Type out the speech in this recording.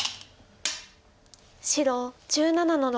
白１７の六。